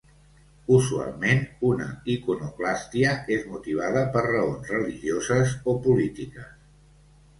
Usualment, una iconoclàstia és motivada per raons religioses o polítiques.